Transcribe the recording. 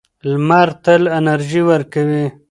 لمر تل انرژي ورکوي.